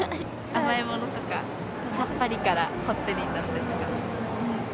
甘いものとか、さっぱりからこってりになったりとか。